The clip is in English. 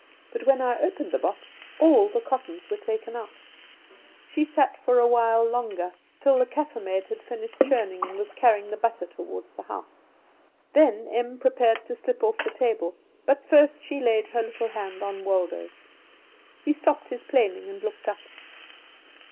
But when I opened the box all the cottons were taken out." She sat for a while longer, till the Kaffer maid had finished churning, and was carrying the butter toward the house. Then Em prepared to slip off the table, but first she laid her little hand on Waldo's. He stopped his planing and looked up.